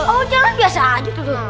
oh jangan biasa aja tuh